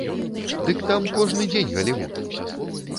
Дык там кожны дзень галівуд!